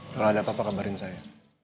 kalau ada apa apa kabarin saya